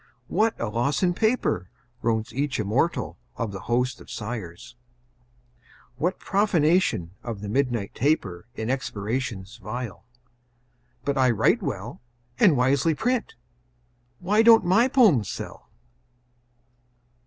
"What a loss in paper," Groans each immortal of the host of sighers! "What profanation of the midnight taper In expirations vile! But I write well, And wisely print. Why don't my poems sell?"